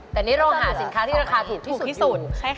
แต่นี่เราหาสินค้าที่ราคาถูกที่สุด